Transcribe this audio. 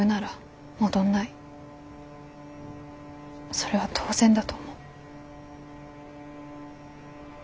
それは当然だと思う。